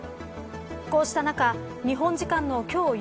こうした中日本時間の今日